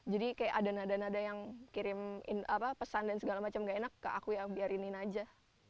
jadi kayak ada nada nada yang kirim pesan dan segala macam gak enak ke aku yang biarin aja